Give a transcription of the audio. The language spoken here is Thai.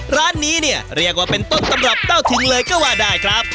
ร้านนี้เนี่ยเรียกว่าเป็นต้นตำรับเต้าถึงเลยก็ว่าได้ครับ